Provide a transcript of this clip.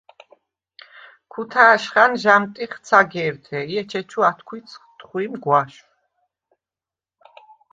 ქუთა̄̈შხა̈ნ ჟ’ა̈მტიხხ ცაგე̄რთე ი ეჩეჩუ ათქუ̂იცხ თხუ̂იმ გუ̂აშუ̂: